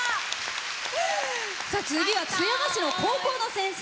次は津山市の高校の先生。